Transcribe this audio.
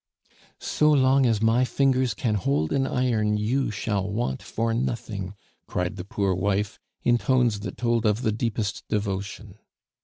"So long as my fingers can hold an iron, you shall want for nothing," cried the poor wife, in tones that told of the deepest devotion.